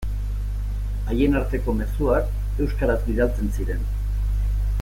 Haien arteko mezuak euskaraz bidaltzen ziren.